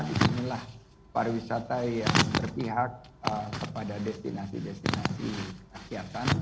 inilah pariwisata yang berpihak kepada destinasi destinasi